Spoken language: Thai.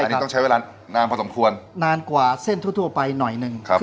อันนี้ต้องใช้เวลานานพอสมควรนานกว่าเส้นทั่วทั่วไปหน่อยหนึ่งครับ